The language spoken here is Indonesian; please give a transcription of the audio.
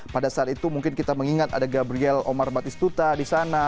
pada saat itu mungkin kita mengingat ada gabriel omar batistuta di sana